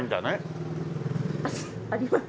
あります。